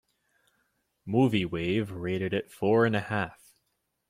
"Movie Wave" rated it four and a half.